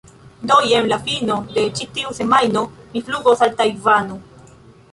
do jen la fino de ĉi tiu semajno mi flugos al Tajvano